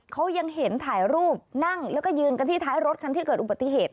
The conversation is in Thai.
เขายังเห็นถ่ายรูปนั่งแล้วก็ยืนกันที่ท้ายรถคันที่เกิดอุบัติเหตุ